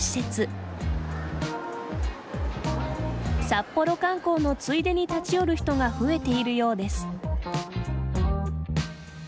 札幌観光のついでに立ち寄る人が増えているようです。